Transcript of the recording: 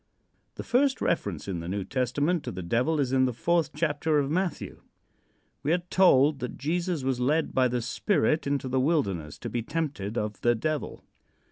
The first reference in the New Testament to the Devil is in the fourth chapter of Matthew. We are told that Jesus was led by the Spirit into the wilderness to be tempted of the Devil.